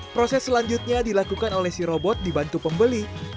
proses selanjutnya dilakukan oleh si robot dibantu pembeli